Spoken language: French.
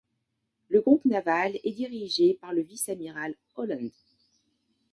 Le groupe naval est dirigé par le vice-amiral Holland.